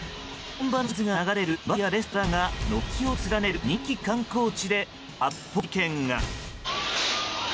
本場のジャズが流れるバーやレストランが軒を連ねる人気観光地で、発砲事件が。